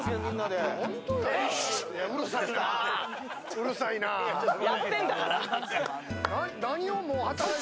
うるさいなあ。